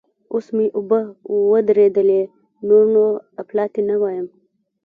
اوس مې اوبه ودرېدلې؛ نور نو اپلاتي نه وایم.